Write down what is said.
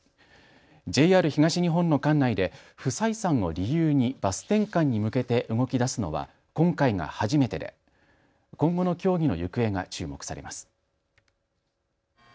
ＪＲ東日本の管内で不採算を理由にバス転換に向けて動きだすのは今回が初めてで今後の協議の行方が注目されます。